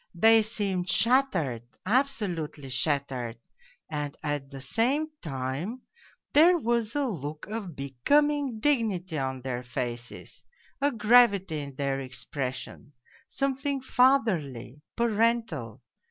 ... They seemed shattered, absolutely shattered, and at the same time there was a look of becoming dignity on their faces, a gravity in their expression, something fatherly, parental